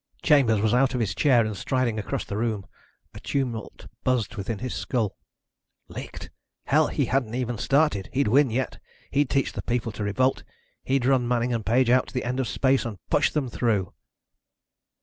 Chambers was out of his chair and striding across the room. A tumult buzzed within his skull. Licked? Hell, he hadn't even started! He'd win yet. He'd teach the people to revolt! He'd run Manning and Page out to the end of space and push them through!